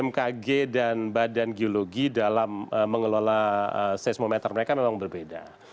bmkg dan badan geologi dalam mengelola seismometer mereka memang berbeda